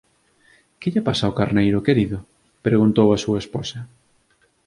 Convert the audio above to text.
Que lle pasa ao carneiro, querido? —preguntou a súa esposa.